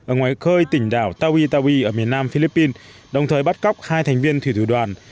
ở ngoài khơi tỉnh đảo tawitawi ở miền nam philippines đồng thời bắt cóc hai thành viên thủy thủ đoàn